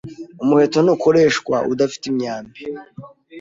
Umuheto ntukoreshwa udafite imyambi.